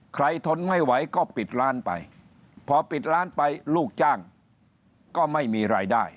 ทนไม่ไหวก็ปิดร้านไปพอปิดร้านไปลูกจ้างก็ไม่มีรายได้